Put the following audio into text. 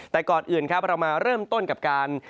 แต่ก่อนอื่นครับเรามาเริ่มต้นกับการ